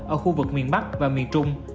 ở khu vực miền bắc và miền trung